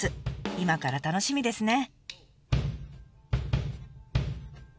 今から楽しみですね。